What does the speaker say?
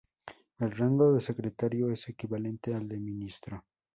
El rango de Secretario es equivalente al de Ministro.